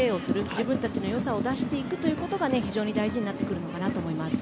自分たちの良さを出していくことが非常に大事になってくると思います。